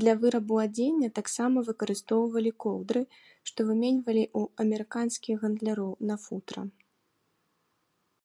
Для вырабу адзення таксама выкарыстоўвалі коўдры, што выменьвалі ў амерыканскіх гандляроў на футра.